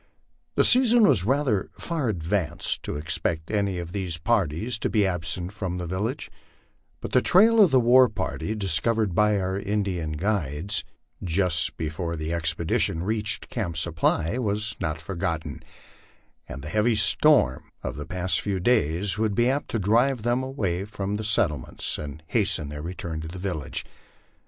The sea son was rather far advanced to expect any of these parties to be absent from the village, but the trail of the war party, discovered by our Indian guides just before the expedition reached Camp Supply, was not forgotten, and the heavy storm of the past few days would be apt to drive them away from the settlements and hasten their return to their village.